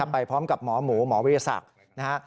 ไปพร้อมกับหมอหมูหมอวิทยาศักดิ์นะฮะ